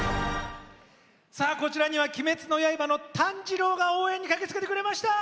こちらには「鬼滅の刃」の炭治郎が応援に駆けつけてくれました。